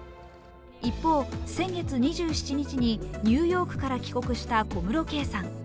一方、先月２７日にニューヨークから帰国した小室圭さん。